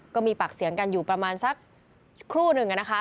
ก็มีปากเสียงกันอยู่ประมาณสักครู่หนึ่งนะคะ